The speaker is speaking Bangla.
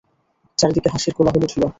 চারিদিকে হাসির কোলাহল উঠিল।